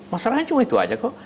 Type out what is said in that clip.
masalahnya cuma itu aja kok